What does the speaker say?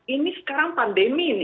ini sekarang pandemi ini